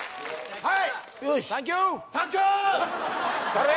はい